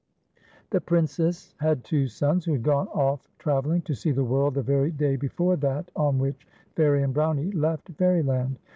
The Princess had two sons, who had gone off tra velling to see the world the very day before that on which Fairie and Brownie left Fair)land.